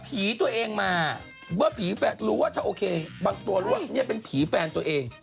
พี่เลยแบบเพียงพี่รู้ว่าเธอโอเคบางตัวรู้ว่าเป็นผีแฟนตัวเอง